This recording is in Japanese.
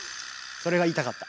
それが言いたかった。